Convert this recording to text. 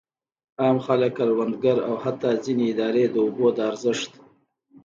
عام خلک، کروندګر او حتی ځینې ادارې د اوبو د ارزښت.